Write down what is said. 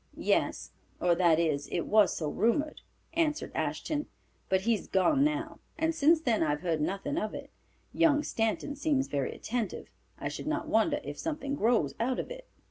"Yes, or, that is, it was so rumored," answered Ashton, "but he has gone home, and since then I have heard nothing of it. Young Stanton seems very attentive. I should not wonder if something grows out of it."